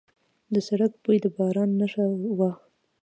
د سړک بوی د باران نښه وه.